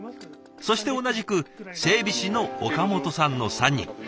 そして同じく整備士の岡本さんの３人。